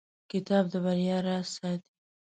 کتاب د بریا راز ساتي.